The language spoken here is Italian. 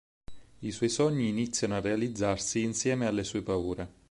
I suoi sogni iniziano a realizzarsi insieme alle sue paure.